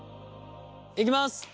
いきます。